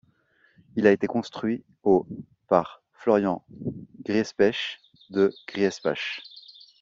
Il a été construit au par Florián Griespech de Griespach.